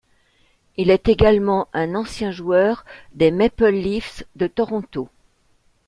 Il est également un ancien joueur des Maple Leafs de Toronto.